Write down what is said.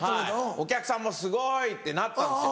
お客さんも「すごい」ってなったんですよ。